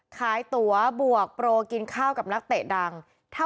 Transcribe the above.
ตัวบวกโปรกินข้าวกับนักเตะดัง